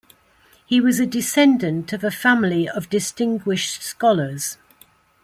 He was a descendant of a family of distinguished scholars.